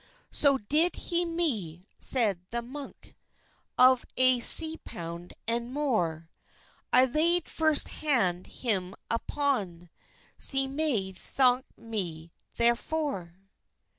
"So did he me," seid the munke, "Of a C pound and more; I layde furst hande hym apon, Ze may thonke me therefore."